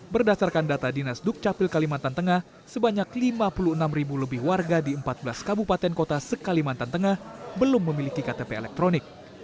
berdasarkan data dinas dukcapil kalimantan tengah sebanyak lima puluh enam ribu lebih warga di empat belas kabupaten kota sekalimantan tengah belum memiliki ktp elektronik